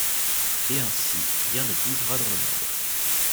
Et ainsi rien ne bougera dans le monde.